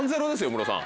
ムロさん。